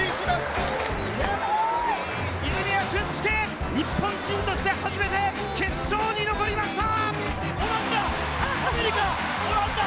泉谷駿介、日本人として初めて決勝に残りました！